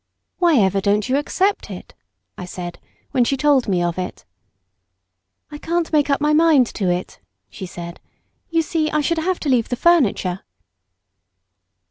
"Why ever don't you accept it?" I said when she told me of it. "I can't make up my mind to it," she said. "You see, I should have to leave the furniture."